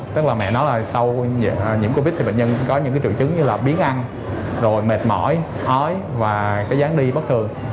tức là mẹ nói là sau nhiễm covid thì bệnh nhân có những triệu chứng như là biến ăn rồi mệt mỏi ói và cái dán đi bất thường